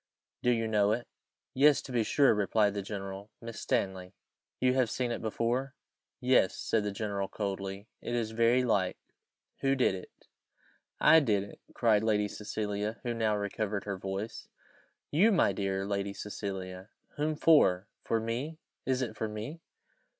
do you know it?" "Yes, to be sure," replied the general; "Miss Stanley." "You have seen it before?" "Yes," said the general, coldly. "It is very like. Who did it?" "I did it," cried Lady Cecilia, who now recovered her voice. "You, my dear Lady Cecilia! Whom for? for me? is it for me?"